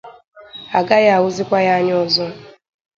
a gaghị ahụzịkwa ya anya ọzọ